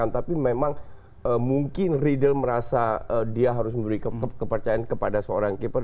tapi memang mungkin riedel merasa dia harus memberi kepercayaan kepada seorang keeper